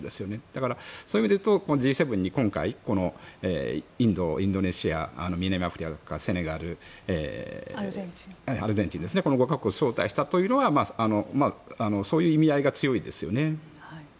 だから、そういう意味でいうとＧ７に今回インド、インドネシア南アフリカ、セネガルアルゼンチンですね。この５か国を招待したというのはそういう意味合いが強いですよね。